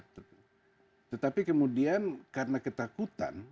tetapi kemudian karena ketakutan